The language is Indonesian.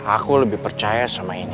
aku lebih percaya sama ini